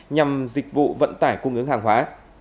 nhằm dịch vụ vận tải cung ứng hàng hóa